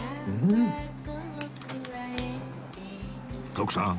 徳さん